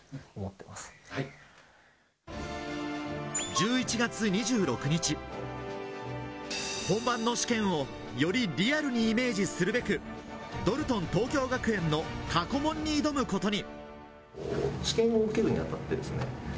１１月２６日、本番の試験をよりリアルにイメージするべく、ドルトン東京学園の過去問に挑むことに。